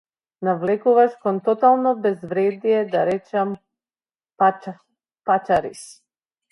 Навлекуваш кон тотално безредие, да не речам - пачариз!